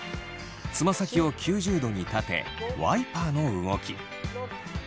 つま先を９０度に立てワイパーの動き。